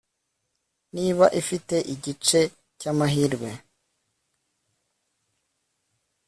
niba ifite igice cyamahirwe